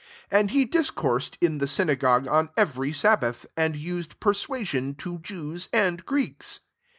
*] 4 And he dis coursed in the synagogue on every sabbath; and used persua sion to Jews and Greeks.